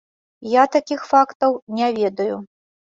Я такіх фактаў не ведаю.